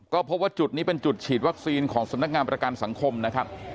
ก็พบว่าจุดนี้เป็นจุดฉีดวัคซีนของสำนักงานประกันสังคมนะครับ